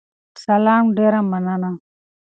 سلام، ډیره مننه